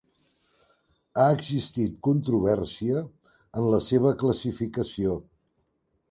Ha existit controvèrsia en la seva classificació.